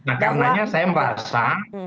nah karenanya saya merasa